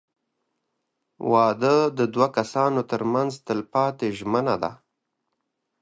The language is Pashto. • واده د دوه کسانو تر منځ تلپاتې ژمنه ده.